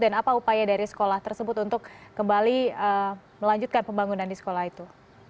dan apa upaya dari sekolah tersebut untuk kembali melanjutkan pembangunan di sekolah itu